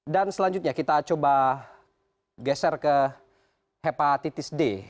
dan selanjutnya kita coba geser ke hepatitis d